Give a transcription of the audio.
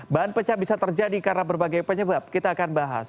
bahan pecah bisa terjadi karena berbagai penyebab kita akan bahas